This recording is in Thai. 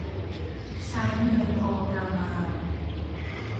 ใช้เนยพอประมาณ